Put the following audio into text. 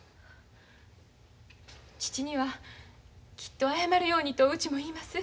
父にはきっと謝るようにとうちも言います。